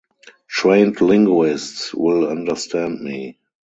Trained linguists will understand me.